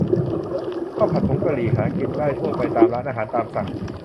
ข้าวผัดผงกะหรี่ หากินได้ทั่วไปตามร้านอาหารตามสั่ง